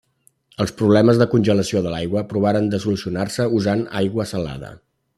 Els problemes de congelació de l’aigua provaren de solucionar-se usant aigua salada.